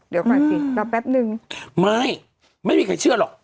เดี๋ยวก่อนสิรอแป๊บนึงไม่ไม่มีใครเชื่อหรอก